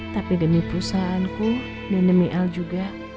tapi demi perusahaanku dan demi l juga